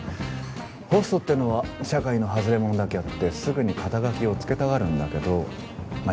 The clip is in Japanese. ホストっていうのは社会の外れ者だけあってすぐに肩書を付けたがるんだけどまあ